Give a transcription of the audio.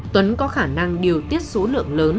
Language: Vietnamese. tuấn có khả năng điều tiết số lượng lớn